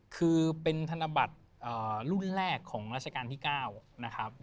คือเป็นธนบัตรรุ่นแรกของราชการที่๙นะครับ